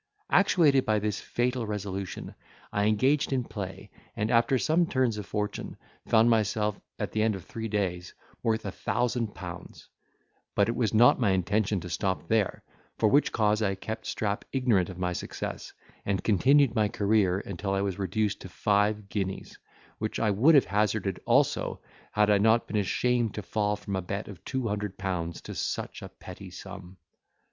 Actuated by this fatal resolution, I engaged in play, and, after some turns of fortune found myself, at the end of three days, worth a thousand pounds; but it was not my intention to stop there, for which cause I kept Strap ignorant of my success, and continued my career until I was reduced to five guineas, which I would have hazarded also, had I not been ashamed to fall from a bet of two hundred pounds to such a petty sum.